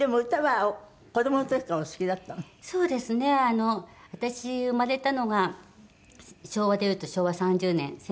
あの私生まれたのが昭和で言うと昭和３０年。